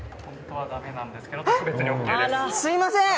すいません！